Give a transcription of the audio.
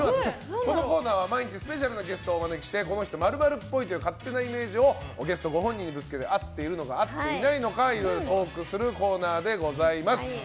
このコーナーは毎日スペシャルなゲストをお招きしてこの人○○っぽいというイメージをゲストご本人にぶつける合っているのか合っていないのかいろいろトークするコーナーでございます。